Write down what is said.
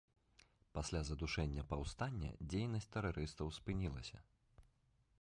Пасля задушэння паўстання дзейнасць тэрарыстаў спынілася.